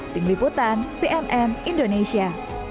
tim liputan cnn indonesia